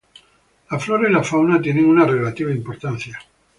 La Flora y la Fauna tienen una relativa importancia.